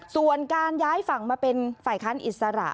ส่วนการย้ายฝั่งมาเป็นฝ่ายค้านอิสระ